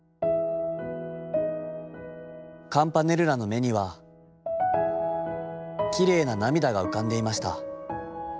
カムパネルラの眼にはきれいな涙が浮かんでゐました。